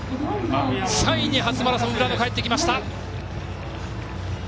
３位に初マラソン浦野が入ってきました。